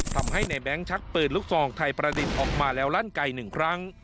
ทำให้ในแบงค์ชักปืนลูกซองไทยประดิษฐ์ออกมาแล้วลั่นไก่หนึ่งครั้ง